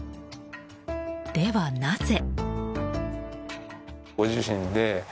では、なぜ。